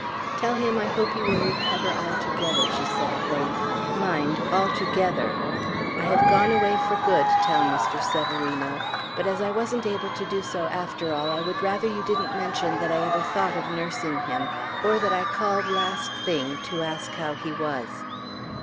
"Tell him I hope he will recover altogether," she said at length; "mind, altogether! I have gone away for good, tell Mr. Severino; but, as I wasn't able to do so after all, I would rather you didn't mention that I ever thought of nursing him, or that I called last thing to ask how he was."